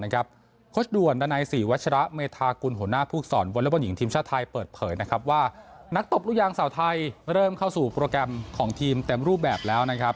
โค้ชด่วนดันไนสี่วัชระเมธากุลหัวหน้าภูกษรวลบนหญิงทีมชาติไทยเปิดเผยว่านักตบรุยางเสาไทยเริ่มเข้าสู่โปรแกรมของทีมเต็มรูปแบบแล้ว